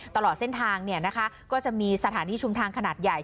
ตลอดเส้นทางก็จะมีสถานีชุมทางขนาดใหญ่